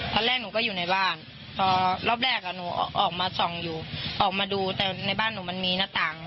ตอนแรกหนูก็อยู่ในบ้านพอรอบแรกหนูออกมาส่องอยู่ออกมาดูแต่ในบ้านหนูมันมีหน้าต่าง